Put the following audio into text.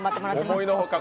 思いのほか